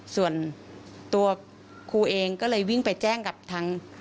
ส่วนตัวครูเองก็เลยวิ่งไปแจ้งกับทาง